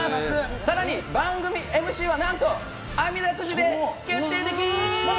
さらに、番組ＭＣはなんとあみだくじで決定的！